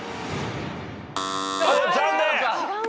残念！